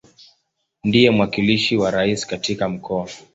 Ndiye mwakilishi wa Rais katika Mkoa.